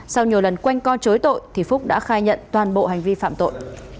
sau nhiều lần quanh co chối tội thì phúc đã khai nhận toàn bộ hành vi phạm tội